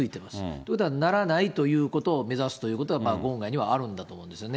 ということは、ならないということを目指すということが、言外にはあるんですよね。